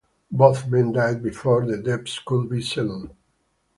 Both men died before the debts could be settled.